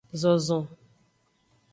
Zozon.